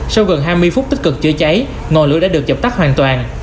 sau gần hai mươi phút tích cực chữa cháy ngọn lửa đã được dập tắt hoàn toàn